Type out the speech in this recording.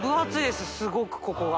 すごくここが。